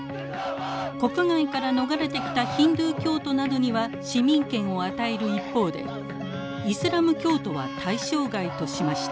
国外から逃れてきたヒンドゥー教徒などには市民権を与える一方でイスラム教徒は対象外としました。